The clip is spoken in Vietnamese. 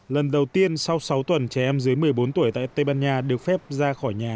lần đầu tiên sau sáu tuần trẻ em dưới một mươi bốn tuổi tại tây ban nha được phép ra khỏi nhà